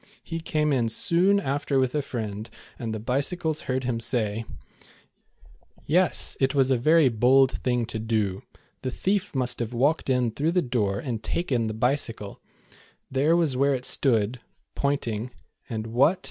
He came in soon after with a friend, and the bicycles heard him say : "Yes, 't was a very bold thing to do. The thief must have walked in through the door and The Bold Bad Bicycle. 231 taken the bicycle. There was where it stood [pointing], and what?